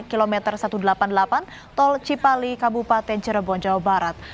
kilometer satu ratus delapan puluh delapan tol cipali kabupaten cirebon jawa barat